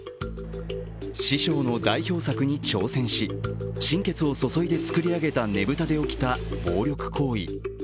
師匠の代表作に挑戦し、心血を注いで作り上げたねぶたで起きた暴力行為。